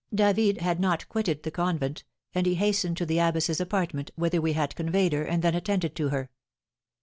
David had not quitted the convent, and he hastened to the abbess's apartment, whither we had conveyed her, and then attended to her.